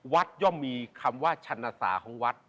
ย่อมมีคำว่าชันสาของวัด